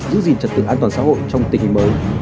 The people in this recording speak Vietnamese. giữ gìn trật tự an toàn xã hội trong tình hình mới